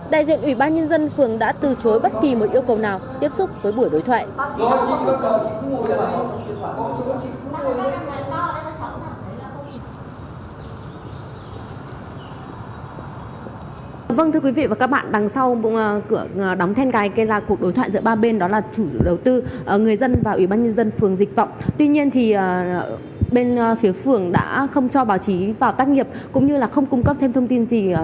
đại diện ủy ban nhân dân phường đã từ chối bất kỳ một yêu cầu nào tiếp xúc với buổi đối thoại